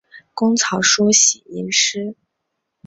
工草书喜吟诗。